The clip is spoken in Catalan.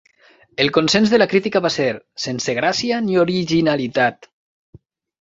El consens de la crítica va ser: sense gràcia ni originalitat.